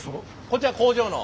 こちらの工場の？